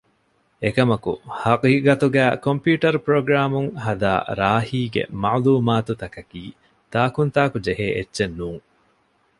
އެކަމަކު ޙަޤީޤަތުގައި ކޮމްޕިއުޓަރު ޕްރޮގްރާމުން ހަދާ ރާހީގެ މަޢުލޫމާތު ތަކަކީ ތާނކުންތާކު ޖެހޭ އެއްޗެއް ނޫން